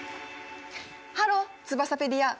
ハローツバサペディア！